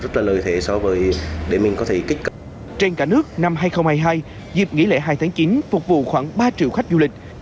trên cả nước năm hai nghìn hai mươi hai dịp nghỉ lễ hai tháng chín phục vụ khoảng ba triệu khách du lịch